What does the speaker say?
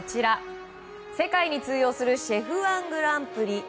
世界に通用する「ＣＨＥＦ‐１グランプリ」。